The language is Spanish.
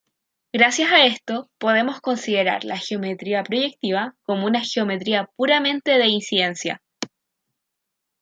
Gracias a esto, podemos considerar la geometría proyectiva como una geometría puramente de incidencia.